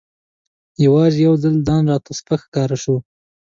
یوازې یو ځل ځان راته سپک ښکاره شو.